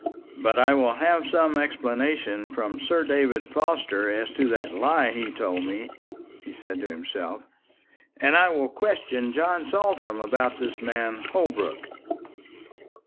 "But I will have some explanation from Sir David Forster as to that lie he told me," he said to himself; "and I will question John Saltram about this man Holbrook."